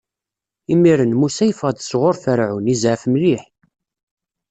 Imiren, Musa yeffeɣ-d sɣur Ferɛun, izɛef mliḥ.